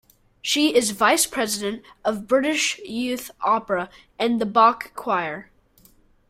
She is Vice-President of British Youth Opera and The Bach Choir.